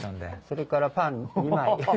それからパン２枚。